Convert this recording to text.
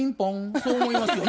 そう思いますよね。